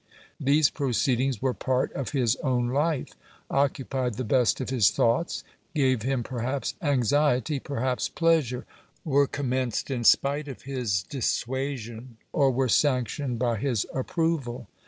These proceedings were part of his own life; occupied the best of his thoughts, gave him perhaps anxiety, perhaps pleasure, were commenced in spite of his dissuasion, or were sanctioned by his approval.